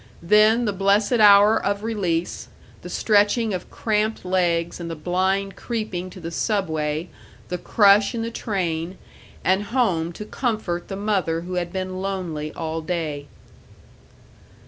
Then the blessed hour of release, the stretching of cramped legs, and the blind creeping to the Subway, the crush in the train, and home to comfort the mother who had been lonely all day.